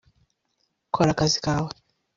kora akazi kawe